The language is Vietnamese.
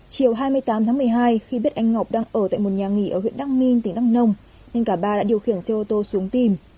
chiều hai mươi tám tháng một mươi hai khi biết anh ngọc đang ở tại một nhà nghỉ ở huyện đăng minh tỉnh đăng nông nên cả ba đã điều khiển xe ô tô xuống tìm